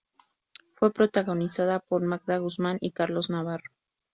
Fue protagonizada por Magda Guzmán y Carlos Navarro.